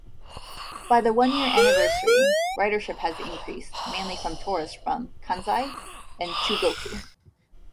By the one-year anniversary, ridership had increased, mainly from tourists from Kansai and Chugoku.